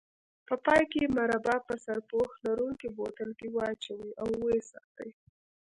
په پای کې مربا په سرپوښ لرونکي بوتل کې واچوئ او وساتئ.